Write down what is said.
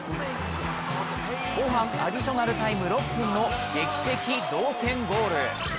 後半アディショナルタイム６分の劇的同点ゴール。